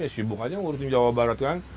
ya sibuk aja ngurusin jawa barat kan